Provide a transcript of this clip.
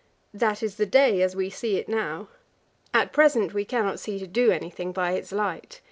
That is the day as we see it now. At present we cannot see to do anything by its light.